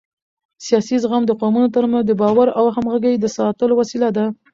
سیاسي زغم د قومونو ترمنځ د باور او همغږۍ د ساتلو وسیله ده